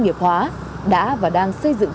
nghiệp hóa đã và đang xây dựng